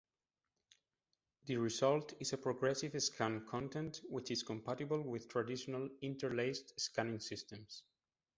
The result is a progressive-scan content, which is compatible with traditional interlaced scanning systems.